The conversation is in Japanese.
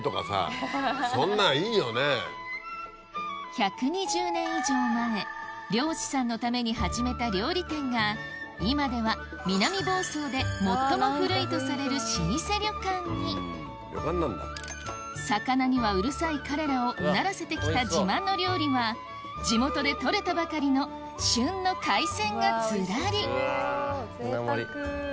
１２０年以上前漁師さんのために始めた料理店が今では魚にはうるさい彼らをうならせてきた自慢の料理は地元で取れたばかりの旬の海鮮がずらりうわ舟盛り。